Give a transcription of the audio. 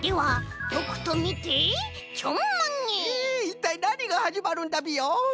いったいなにがはじまるんだビヨン？